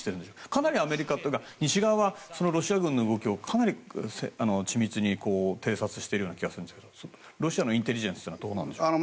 かなりアメリカというか西側はロシア軍の動きをかなり緻密に偵察している気がするんですがロシアのインテリジェンスはどうなんでしょうか。